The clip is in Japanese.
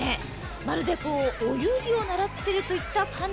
まるでこう、お遊戯を習っているという感じ。